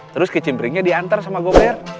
terus kicimpringnya diantar sama gover